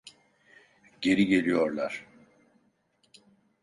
Geri geliyorlar!